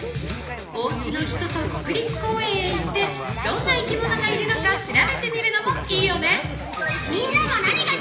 おうちの人と国立公園へ行ってどんな生き物がいるのか調べてみるのもいいよね。